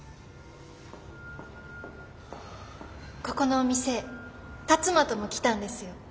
ここのお店辰馬とも来たんですよ。